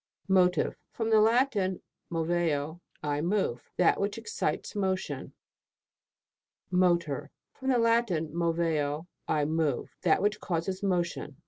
MOTIVE. From the Latin, moveo, I move. That which excites motion. MOTOR. From the Latin, moveo, I move. That which causes motion.